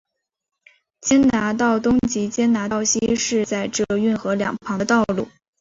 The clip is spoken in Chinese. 坚拿道东及坚拿道西是在这运河两旁的道路。